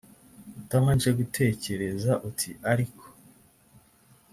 utabanje gutekereza uti ariko